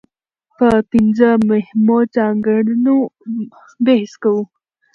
په پنځه مهمو ځانګړنو بحث کوو.